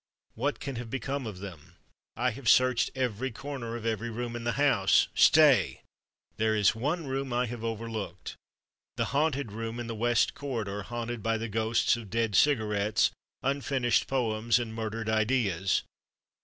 What can have become of them! I have searched every corner of every room in the house—Stay! There is one room I have overlooked—the Haunted Room in the West Corridor, haunted by the ghosts of dead cigarettes, unfinished poems and murdered ideas.